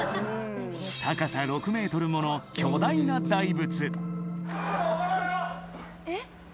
高さ６ｍもの巨大な大仏！